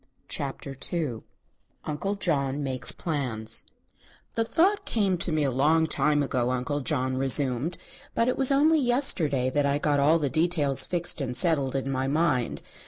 CHAPTER II UNCLE JOHN MAKES PLANS "The thought came to me a long time ago," Uncle John resumed; "but it was only yesterday that I got all the details fixed and settled in my mind.